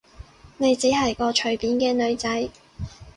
你只係個隨便嘅女仔